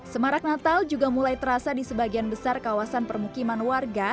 semarak natal juga mulai terasa di sebagian besar kawasan permukiman warga